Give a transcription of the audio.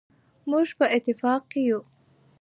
موږ په اطاق کي يو